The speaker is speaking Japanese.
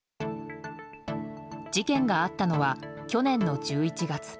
事件があったのは去年の１１月。